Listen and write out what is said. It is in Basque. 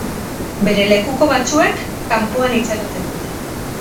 Bere lekuko batzuek kanpoan itxaroten dute.